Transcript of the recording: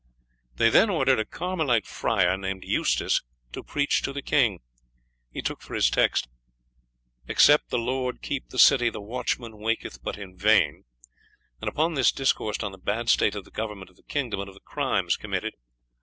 They then ordered a Carmelite friar, named Eustace, to preach to the king. He took for his text, "Except the Lord keep the city, the watchman waketh but in vain," and upon this discoursed on the bad state of the government of the kingdom, and of the crimes committed.